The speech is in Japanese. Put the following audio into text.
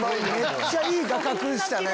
めっちゃいい画角でしたね。